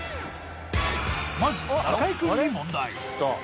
まず中居君に問題。